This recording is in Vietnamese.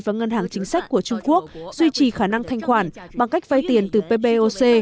và ngân hàng chính sách của trung quốc duy trì khả năng thanh khoản bằng cách vay tiền từ ppoc